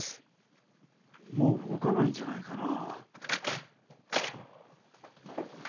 もう動かないんじゃないかな。